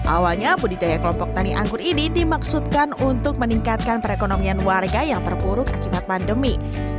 awalnya budidaya kelompok tani anggur ini dimaksudkan untuk meningkatkan perekonomian warga yang terpuruk akibat pandemi